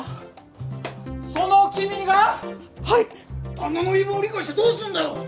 旦那の言い分を理解してどうするんだよ！？